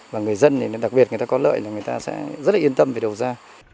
và người dân đặc biệt người ta có lợi là người ta sẽ rất yên tâm về đầu ra